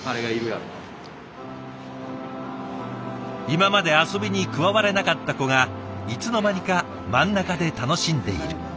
今まで遊びに加われなかった子がいつの間にか真ん中で楽しんでいる。